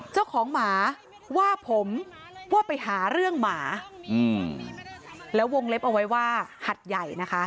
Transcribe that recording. เจ้าของหมาว่าผมว่าไปหาเรื่องหมาแล้ววงเล็บเอาไว้ว่าหัดใหญ่นะคะ